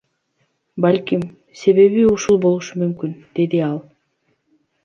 Балким, себеби ушул болушу мүмкүн, — деди ал.